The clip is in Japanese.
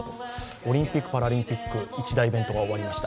オリンピック・パラリンピック、一大イベントが終わりました。